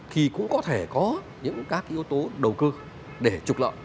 thì cũng có thể có những các yếu tố đầu cơ để trục lợi